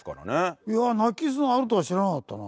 鳴き砂あるとは知らなかったな。